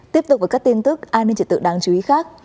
tiếp tục với các tin tức an ninh trật tự đáng chú ý khác